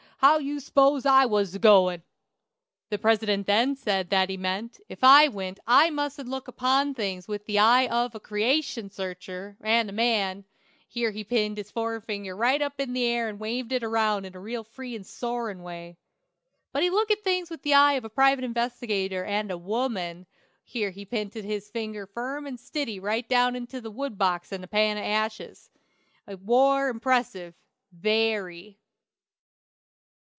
_ how did you s'pose I was a goin'?' "The president then said that he meant, if I went I mustn't look upon things with the eye of a 'Creation Searcher' and a man (here he p'inted his forefinger right up in the air and waved it round in a real free and soarin' way), but look at things with the eye of a private investigator and a woman (here he p'inted his finger firm and stiddy right down into the wood box and a pan of ashes). It war impressive VERY."